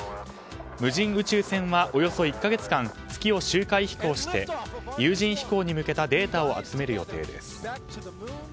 無人宇宙船は、およそ１か月間月を周回飛行して有人飛行に向けたデータを集める予定です。